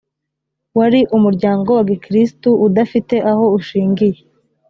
wari umuryango wa gikirisitu udafite aho ushingiye